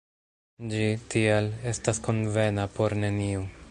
Ĝi, tial, estas konvena por neniu.